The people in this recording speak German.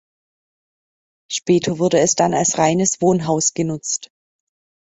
Später wurde es dann als reines Wohnhaus genutzt.